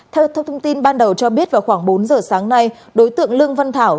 theo thông tin ban đầu cho biết vào khoảng bốn giờ sáng nay đối tượng lương văn thảo